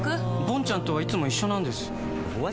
ぼんちゃんとはいつも一緒なんです。